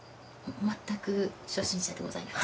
全く初心者でございます。